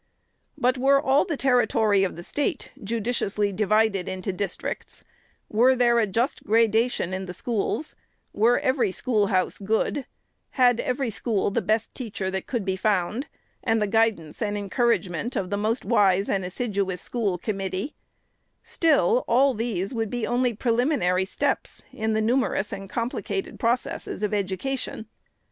But were all the territory of the State judiciously divided into districts ; were there a just gradation in the schools ; were every schoolhouse good ; had every school the best teacher that could be found, and the guidance and encouragement of the most wise and assiduous school committee ;— still, all these would be only preliminary steps in the numerous and complicated processes of Edu cation.